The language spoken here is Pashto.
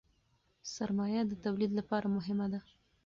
سرمایه د تولید لپاره مهمه ده.